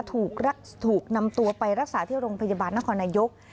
ถูกนำตัวไปรักษาที่โรงพยาบาลนครนายก